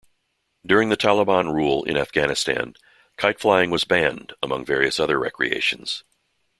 During the Taliban rule in Afghanistan, kite flying was banned, among various other recreations.